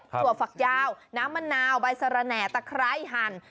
ถั่วฝักยาวน้ำมะนาวใบสระแหน่ตะไคร้หั่น